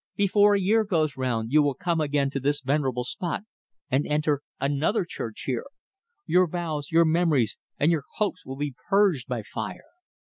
Before a year goes round you will come again to this venerable spot and enter another church here. Your vows, your memories, and your hopes will be purged by fire.